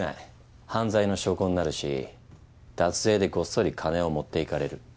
犯罪の証拠になるし脱税でごっそり金を持っていかれる。